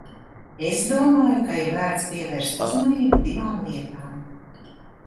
Es domāju, ka ir vērts pievērst uzmanību divām lietām.